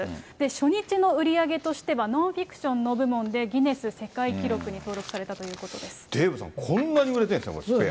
初日の売り上げとしてはノンフィクションの部門でギネス世界記録デーブさん、こんなに売れてるんですね、スペア。